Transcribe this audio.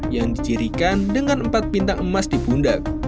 yang dicirikan dengan empat bintang emas di pundak